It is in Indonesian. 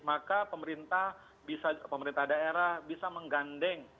maka pemerintah bisa pemerintah daerah bisa menggandeng